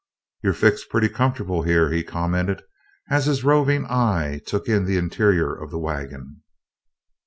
"You're fixed pretty comfortable here," he commented, as his roving eye took in the interior of the wagon.